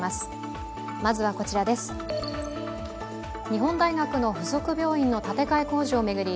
日本大学の附属病院の建て替え工事を巡り